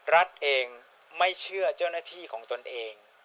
รัฐเองไม่เชื่อเจ้าหน้าที่ของตนเอง